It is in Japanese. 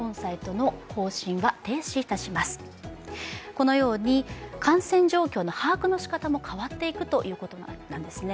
このように感染状況の把握のしかたも変わっていくということになったんですね。